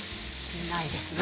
ないですね。